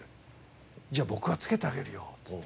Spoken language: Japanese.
「じゃあ僕が付けてあげるよ」っつって。